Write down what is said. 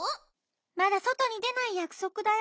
まだそとにでないやくそくだよ！